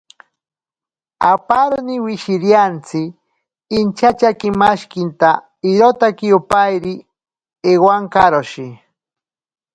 Aparoni wishiriantsi inchatyakimashikinta irotaki opairi ewankaroshi.